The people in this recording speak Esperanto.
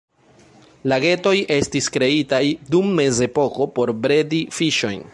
Lagetoj estis kreitaj dum mezepoko por bredi fiŝojn.